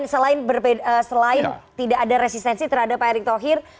selain tidak ada resistensi terhadap pak erick thohir